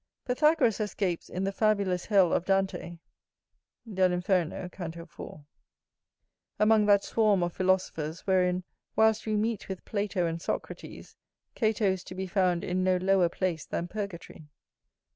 Pythagoras escapes in the fabulous hell of Dante,[BO] among that swarm of philosophers, wherein, whilst we meet with Plato and Socrates, Cato is to be found in no lower place than purgatory.